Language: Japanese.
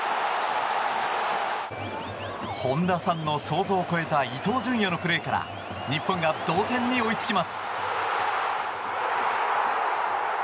本田さんの想像を超えた伊東純也のプレーから日本が同点に追いつきます。